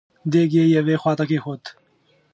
دېګ يې يوې خواته کېښود.